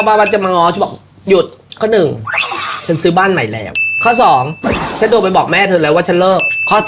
พอค่ะไม่อยู่ใจละข่าวเลย